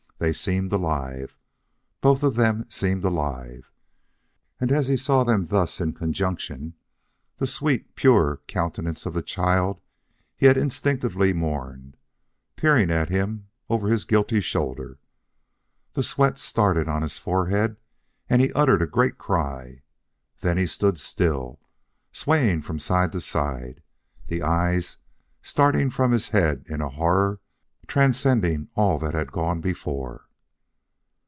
They seemed alive. Both of them seemed alive, and as he saw them thus in conjunction, the sweet, pure countenance of the child he had instinctively mourned, peering at him over his guilty shoulder the sweat started on his forehead and he uttered a great cry. Then he stood still, swaying from side to side, the eyes starting from his head in a horror transcending all that had gone before.